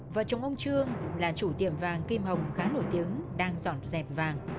vợ chồng ông trương là chủ tiệm vàng kim hồng khá nổi tiếng đang dọn dẹp vàng